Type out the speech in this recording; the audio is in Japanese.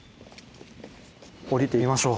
下りてみましょう。